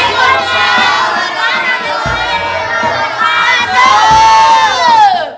terima kasih pak dubez